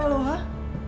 apa lo lah